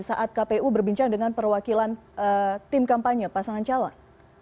saat kpu berbincang dengan perwakilan tim kampanye pasangan calon